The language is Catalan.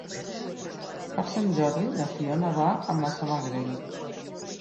Per Sant Jordi na Fiona va a Massamagrell.